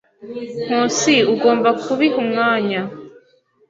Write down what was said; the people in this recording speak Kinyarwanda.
Nkusi, ugomba kubiha umwanya.